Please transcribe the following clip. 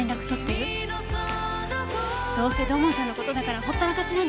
どうせ土門さんの事だからほったらかしなんじゃない？